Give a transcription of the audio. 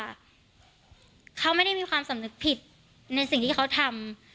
ว่าเขาไม่ได้มีความสำนึกผิดในสิ่งที่เขาทำ